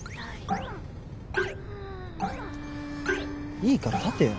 いいから立てよ。